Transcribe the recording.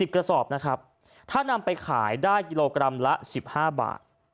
กระสอบนะครับถ้านำไปขายได้กิโลกรัมละ๑๕บาท